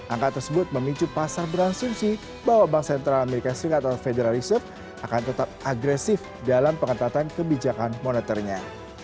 angka tersebut memicu pasar beransumsi bahwa bank sentral amerika serikat atau federal reserve akan tetap agresif dalam pengetatan kebijakan moneternya